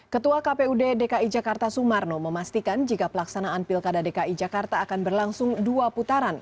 ketua kpud dki jakarta sumarno memastikan jika pelaksanaan pilkada dki jakarta akan berlangsung dua putaran